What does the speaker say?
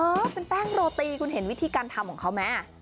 เป็นแป้งโรตีคุณเห็นวิธีการทำของเขาไหม